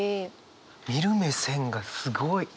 見る目線がすごい！